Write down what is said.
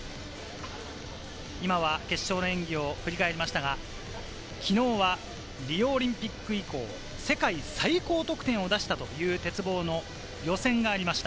今は決勝の演技を振り返りましたが、昨日はリオオリンピック以降、世界最高得点を出したという鉄棒の予選がありました。